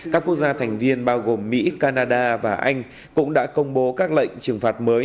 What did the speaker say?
các quốc gia thành viên bao gồm mỹ canada và anh cũng đã công bố các lệnh trừng phạt mới